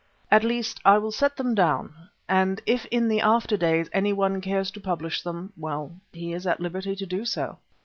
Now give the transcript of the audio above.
At least I will set them down, and if in the after days anyone cares to publish them, well he is at liberty to do so.